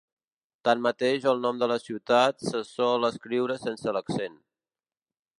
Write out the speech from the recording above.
Tanmateix, el nom de la ciutat se sol escriure sense l'accent.